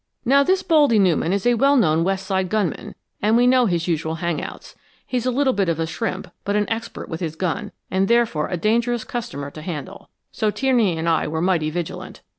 Now, this 'Baldy' Newman is a well known West Side gunman, and we know his usual hangouts. He's a little bit of a shrimp, but an expert with his gun, and therefore a dangerous customer to handle, so Tierney and I were mighty vigilant.